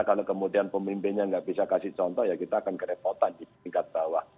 kalau kemudian pemimpinnya nggak bisa kasih contoh ya kita akan kerepotan di tingkat bawah